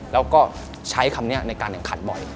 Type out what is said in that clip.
แล้วก็ใช้คำนี้ในการแข่งขันบ่อย